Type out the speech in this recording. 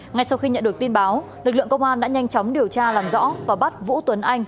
ngay sau khi nhận được tin báo lực lượng công an đã nhanh chóng điều tra làm rõ và bắt vũ tuấn anh